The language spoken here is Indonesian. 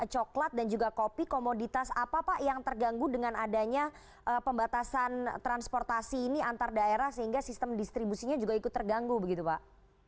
coklat dan juga kopi komoditas apa pak yang terganggu dengan adanya pembatasan transportasi ini antar daerah sehingga sistem distribusinya juga ikut terganggu begitu pak